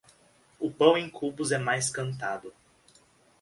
O pão em cubos é mais cantado.